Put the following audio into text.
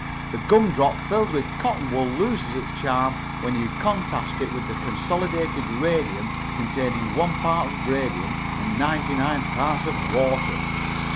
The gum drop filled with cotton loses its charm when you contrast it with Consolidated Radium containing one part of radium and ninety nine parts of water.